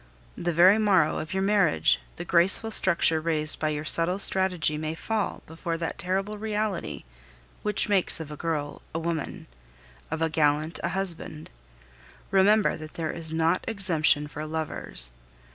The very morrow of your marriage the graceful structure raised by your subtle strategy may fall before that terrible reality which makes of a girl a woman, of a gallant a husband. Remember that there is not exemption for lovers.